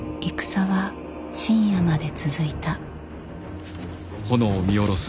戦は深夜まで続いた。